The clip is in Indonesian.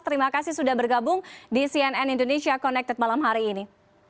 terima kasih sudah bergabung di cnn indonesia connected malam hari ini